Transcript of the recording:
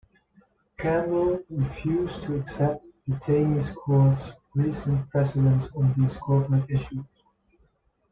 Campbell refused to accept the Taney Court's recent precedents on these corporate issues.